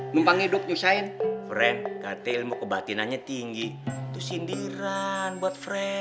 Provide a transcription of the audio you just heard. numpang hidup nyusahin friend kata ilmu kebatinannya tinggi itu sindiran buat fren